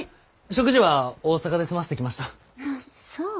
食事は大阪で済ませてきました。